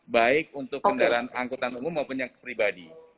baik untuk kendaraan angkutan umum maupun yang pribadi